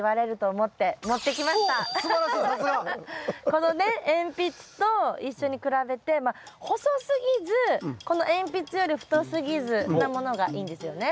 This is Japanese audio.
このね鉛筆と一緒に比べて細すぎずこの鉛筆より太すぎずなものがいいんですよね。